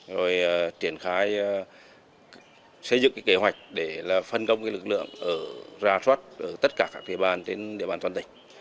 rồi triển khai xây dựng kế hoạch để phân công lực lượng ra soát ở tất cả các địa bàn trên địa bàn toàn tỉnh